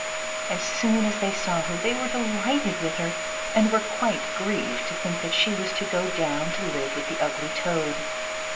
As soon as they saw her, they were delighted with her, and were quite grieved to think that she was to go down to live with the ugly toad.